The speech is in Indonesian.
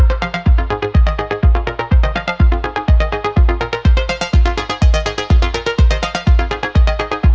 ambil terus faktumen